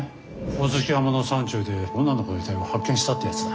ホオズキ山の山中で女の子の遺体を発見したってやつだ。